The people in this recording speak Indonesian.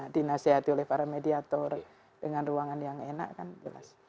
dinasihati oleh para mediator dengan ruangan yang enak kan jelas